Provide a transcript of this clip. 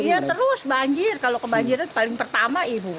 ya terus banjir kalau kebanjir paling pertama ibu